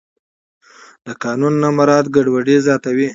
د قانون نه مراعت ګډوډي زیاتوي